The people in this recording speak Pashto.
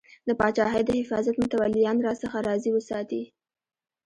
د پاچاهۍ د حفاظت متولیان راڅخه راضي وساتې.